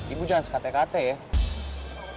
ibu jangan sekate kate ya